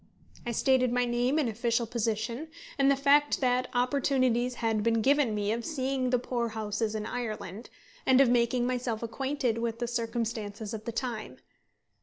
I stated my name and official position, and the fact that opportunities had been given me of seeing the poor houses in Ireland, and of making myself acquainted with the circumstances of the time.